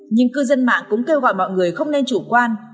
nhưng cư dân mạng cũng kêu gọi mọi người không nên chủ quan